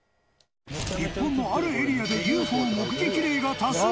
日本のあるエリアでＵＦＯ目撃例が多数？